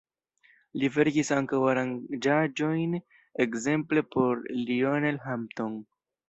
Li verkis ankaŭ aranĝaĵojn ekzemple por Lionel Hampton.